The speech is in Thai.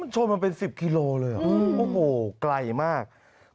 ชนมันเป็น๑๐กิโลเลยเหรอโอ้โหไกลมาก